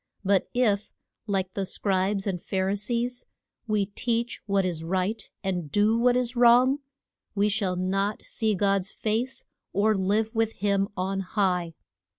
But if, like the Scribes and Phar i sees, we teach what is right and do what is wrong, we shall not see God's face, or live with him on high.